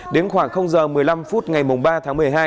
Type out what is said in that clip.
đến khoảng giờ một mươi năm phút ngày ba tháng một mươi hai